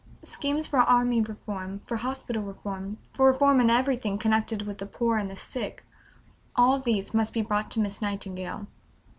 Schemes for army reform, for hospital reform, for reform in everything connected with the poor and the sick all these must be brought to Miss Nightingale.